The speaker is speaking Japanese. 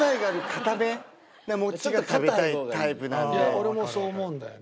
俺もそう思うんだよね。